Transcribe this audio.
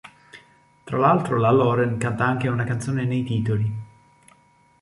Tra l'altro la Loren canta anche una canzone nei titoli.